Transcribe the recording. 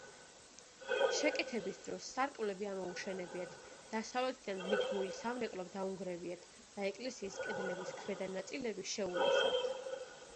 შეკეთების დროს სარკმლები ამოუშენებიათ, დასავლეთიდან მიდგმული სამრეკლო დაუნგრევიათ და ეკლესიის კედლების ქვედა ნაწილები შეულესავთ.